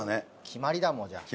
決まりだもうじゃあ。